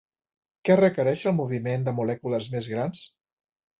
Què requereix el moviment de molècules més grans?